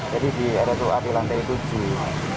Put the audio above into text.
jadi di area tujuan di lantai tujuh